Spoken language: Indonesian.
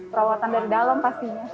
perawatan dari dalam pastinya